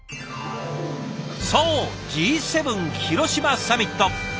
そうＧ７広島サミット！